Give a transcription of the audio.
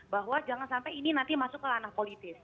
bahwa jangan sampai ini nanti masuk ke ranah politis